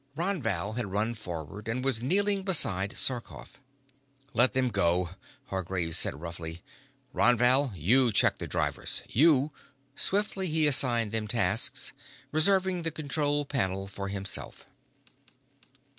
Ron Val had run forward and was kneeling beside Sarkoff. "Let them go," Hargraves said roughly. "Ron Val, you check the drivers. You " Swiftly he assigned them tasks, reserving the control panel for himself.